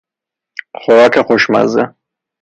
خوراک خوشمزه